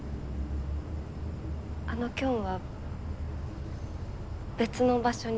あのキョンは別の場所に行くから。